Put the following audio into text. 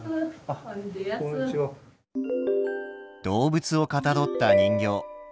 動物をかたどった人形。